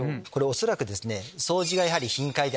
恐らくですね。